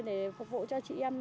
để phục vụ cho chị em